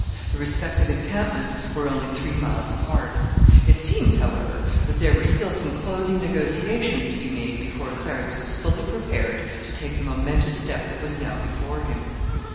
The respective encampments were only three miles apart. It seems, however, that there were still some closing negotiations to be made before Clarence was fully prepared to take the momentous step that was now before him.